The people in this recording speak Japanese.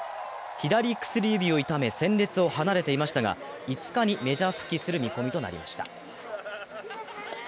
左薬指を痛め戦列を離れていましたが５日にメジャー復帰する見込みとなりました。